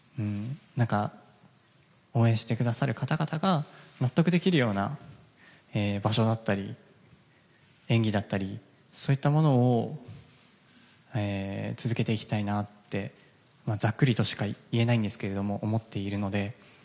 応援してくださる方々が納得できるような場所だったり演技だったりそういったものを続けていきたいなってざっくりとしか言えないんですが思っているので。